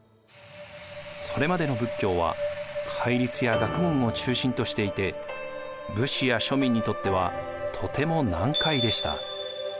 それまでの仏教は戒律や学問を中心としていて武士や庶民にとってはとても難解でした。